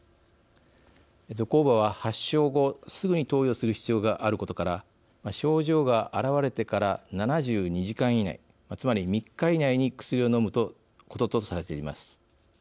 ゾコーバは発症後、すぐに投与する必要があることから症状が現れてから７２時間以内つまり３日以内に薬を飲むこととされています。